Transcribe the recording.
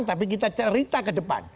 tapi kita cerita ke depan